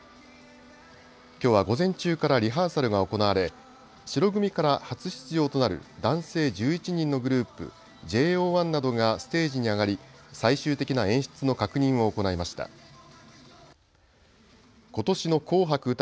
きょうは午前中からリハーサルが行われ、白組から初出場となる男性１１人のグループ、ＪＯ１などがステージに上がり、最終的な演出の確認を行いました。